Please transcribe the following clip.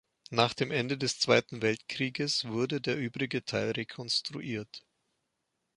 Nach dem Ende des Zweiten Weltkrieges wurde der übrige Teil rekonstruiert.